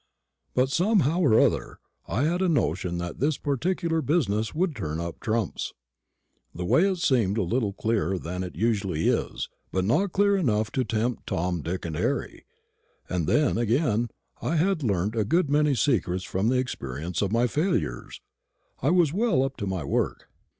But, somehow or other, I had a notion that this particular business would turn up trumps. The way seemed a little clearer than it usually is; but not clear enough to tempt Tom, Dick, and Harry. And then, again, I had learnt a good many secrets from the experience of my failures. I was well up to my work.